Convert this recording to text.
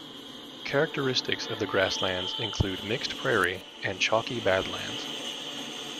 Characteristics of the grasslands include mixed prairie and chalky badlands.